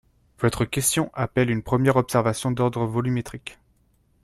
Votre question appelle une première observation d’ordre volumétrique.